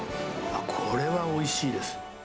これはおいしいです。